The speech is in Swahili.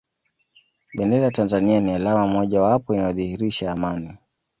bendera ya tanzania ni alama moja wapo inayodhihirisha aman